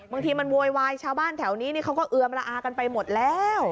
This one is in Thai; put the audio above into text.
บางทีมันโวยวายชาวบ้านแถวนี้เขาก็เอือมละอากันไปหมดแล้ว